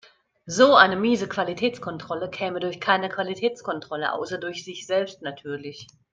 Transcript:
So eine miese Qualitätskontrolle käme durch keine Qualitätskontrolle, außer durch sich selbst natürlich.